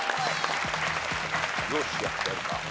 よーしやってやるか。